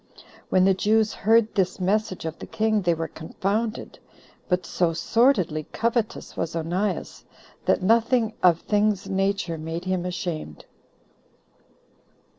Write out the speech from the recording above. When the Jews heard this message of the king, they were confounded; but so sordidly covetous was Onias, that nothing of things nature made him ashamed.